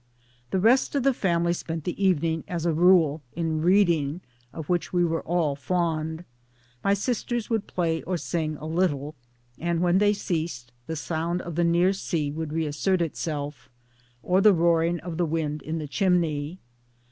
The rest of the family spent the evening, as a rule, in reading of which we were all fond. My sisters would play or sing a little ; and when they ceased, the sound of the near sea would reassert itself, or the roaring of the wind in the chimney.